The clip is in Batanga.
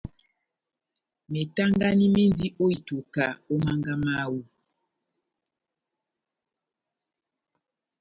Metangani mendi ó ituka ó mánga mawú.